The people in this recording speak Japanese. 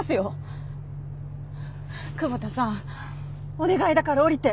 お願いだから降りて！